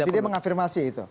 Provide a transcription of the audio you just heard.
jadi dia mengafirmasi itu